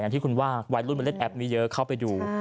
ที่คุณว่าวัยรุ่นมันเล่นแอปนี้เยอะเข้าไปดู